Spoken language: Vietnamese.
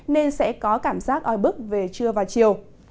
nên sẽ có cảm giác oi bức về trưa và chiều